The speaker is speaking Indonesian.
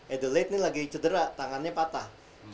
adelaide ini lagi cedera tangannya patah